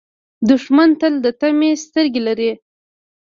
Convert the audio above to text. دښمن تل د طمعې سترګې لري